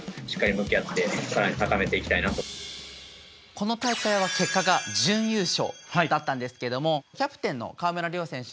この大会は結果が準優勝だったんですけどもキャプテンの川村怜選手